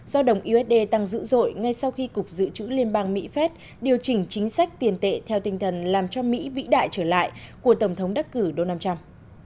do đồng usd tăng dữ dội ngay sau khi cục dự trữ liên bang mỹ phép điều chỉnh chính sách tiền tệ theo tinh thần làm cho mỹ vĩ đại trở lại của tổng thống đắc cử donald trump